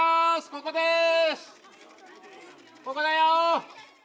ここだよ！